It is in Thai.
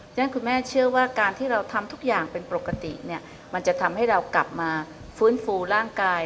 ฉะนั้นคุณแม่เชื่อว่าการที่เราทำทุกอย่างเป็นปกติเนี่ยมันจะทำให้เรากลับมาฟื้นฟูร่างกาย